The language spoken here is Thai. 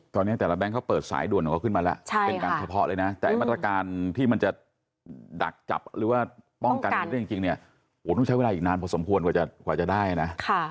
ตอนนี้แต่ละแก๊งเขาเปิดสายด่วนของเขาขึ้นมาแล้วเป็นการเฉพาะเลยนะแต่มาตรการที่มันจะดักจับหรือว่าป้องกันชีวิตได้จริงเนี่ยโหต้องใช้เวลาอีกนานพอสมควรกว่าจะได้นะ